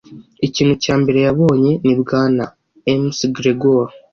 ikintu cya mbere yabonye ni bwana mcgregor